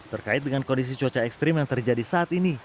terkait dengan kondisi cuaca ekstrim yang terjadi saat ini